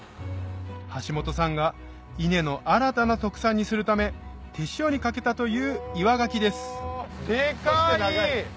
橋本さんが伊根の新たな特産にするため手塩にかけたという岩ガキです